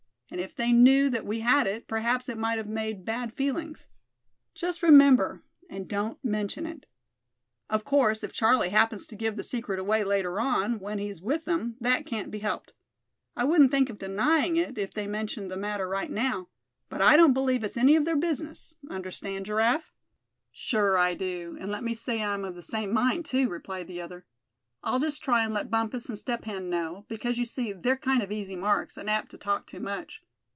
And if they knew that we had it, perhaps it might have made bad feelings. Just remember, and don't mention it. Of course, if Charlie happens to give the secret away later on, when he's with them, that can't be helped. I wouldn't think of denying it, if they mentioned the matter right now; but I don't believe it's any of their business. Understand, Giraffe?" "Sure I do, and let me say I'm of the same mind too," replied the other. "I'll just try and let Bumpus and Step Hen know, because, you see, they're kind of easy marks, and apt to talk too much.